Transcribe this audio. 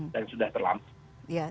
dan sudah terlampau